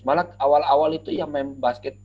malah awal awal itu ya main basket